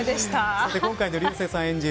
今回の竜星さん演じる